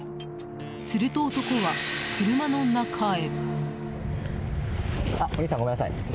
すると男は車の中へ。